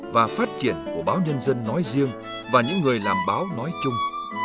và phát triển của báo nhân dân nói riêng và những người làm báo nói chung